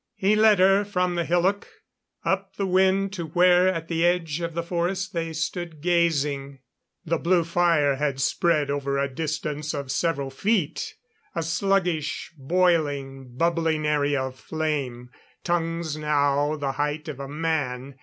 He led her from the hillock, up the wind to where at the edge of the forest they stood gazing. The blue fire had spread over a distance of several feet. A sluggish, boiling, bubbling area of flame. Tongues now the height of a man.